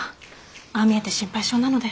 ああ見えて心配性なので。